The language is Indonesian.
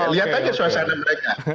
lihat aja suasana mereka